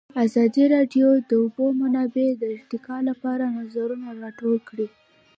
ازادي راډیو د د اوبو منابع د ارتقا لپاره نظرونه راټول کړي.